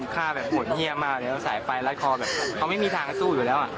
ข้าแบบห่วงเฮียบมากเลยอะสายไฟรัดคอแบบเขาไม่มีทางสู้อยู่แล้วอะ